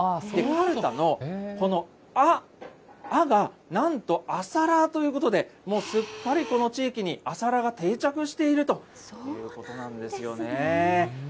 かるたのこの、あ、あがなんと朝ラーということで、もうすっかりこの地域に朝ラーが定着しているということなんですよね。